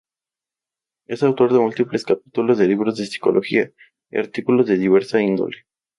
Es autor de múltiples capítulos de libros de Psicología y artículos de diversa índole.